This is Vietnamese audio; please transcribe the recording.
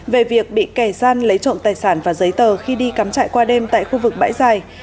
về việc bị kẻ gian lấy trộm tài sản và giấy tờ khi đi cắm chạy qua đêm tại khu vực bãi giày